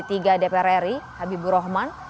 tiga dpr ri habibur rahman